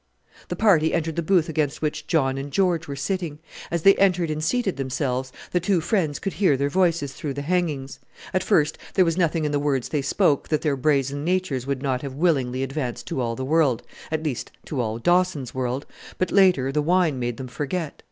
The party entered the booth against which John and George were sitting. As they entered and seated themselves, the two friends could hear their voices through the hangings. At first there was nothing in the words they spoke that their brazen natures would not have willingly advanced to all the world at least, to all Dawson's world; but later the wine made them forget.